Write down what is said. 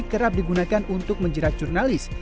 kerap digunakan untuk menjerat jurnalis